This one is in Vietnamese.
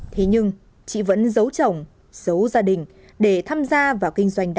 thế nhưng chị vẫn giấu chồng giấu gia đình